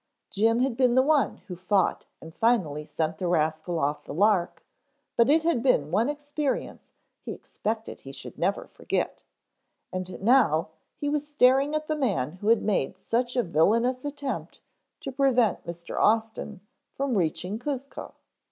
Jim had been the one who fought and finally sent the rascal off the "Lark" but it had been one experience he expected he should never forget, and now he was staring at the man who had made such a villainous attempt to prevent Mr. Austin from reaching Cuzco.